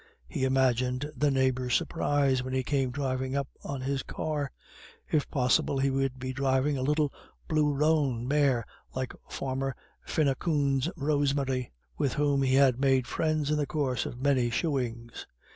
He imagined the neighbours' surprise when he came driving up on his car; if possible he would be driving a little blue roan mare like Farmer Finucane's Rosemary, with whom he had made friends in the course of many shoeings.